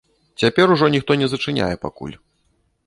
Цяпер ужо ніхто не зачыняе пакуль.